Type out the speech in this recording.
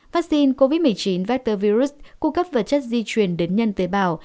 vaccine covid một mươi chín vector virus cung cấp vật chất di truyền đến nhân tế bào